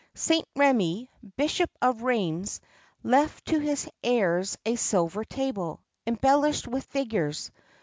Saint Rémi, Bishop of Rheims, left to his heirs a silver table, embellished with figures.